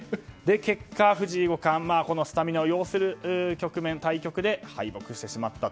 結果、藤井五冠はスタミナを要する対局で敗北してしまった。